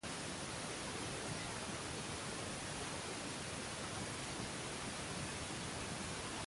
Alberga la imagen de San Sebastián con viruela a que le atribuyen varios milagros.